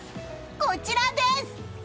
こちらです！